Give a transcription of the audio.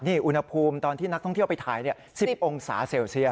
นี่อุณหภูมิตอนที่นักท่องเที่ยวไปถ่าย๑๐องศาเซลเซียส